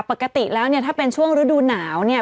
ปกติแล้วเนี่ยถ้าเป็นช่วงฤดูหนาวเนี่ย